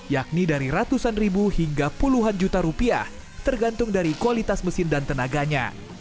yakni dari ratusan ribu hingga puluhan juta rupiah tergantung dari kualitas mesin dan tenaganya